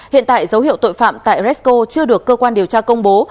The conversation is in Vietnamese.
hiện tại dấu hiệu tội phạm tại resco chưa được cơ quan điều tra công bố